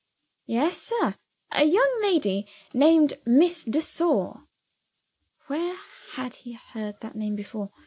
"Yes, sir. A young lady named Miss de Sor." Where had he heard that name before?